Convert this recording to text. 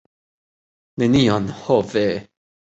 Nenion, ho ve!